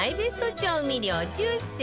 調味料１０選